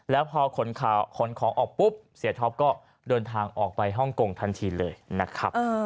แล้วพอขนของออกปุ๊บเสียท็อปก็เดินทางออกไปฮ่องกงทันทีเลยนะครับ